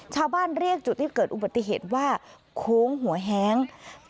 ชาวบ้านเรียกจุดที่เกิดอุบัติเหตุว่าโค้งหัวแห้ง